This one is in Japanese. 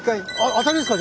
当たりですか？